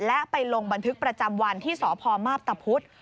และไปลงบันทึกประจำวันที่สพมาพตะพุธ